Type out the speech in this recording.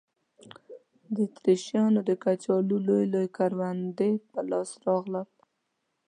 د اتریشیانو د کچالو لوی لوی کروندې په لاس راغلل.